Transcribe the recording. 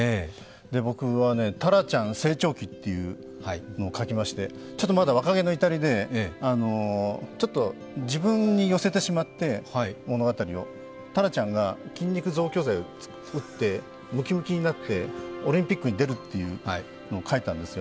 僕は「タラちゃん成長記」というのを書きまして、ちょっとまだ若気の至りで、物語を自分に寄せてしまってタラちゃんが筋肉増強剤を打ってムキムキになってオリンピックに出るというのを書いたんですよ。